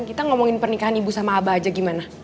kita ngomongin pernikahan ibu sama abah aja gimana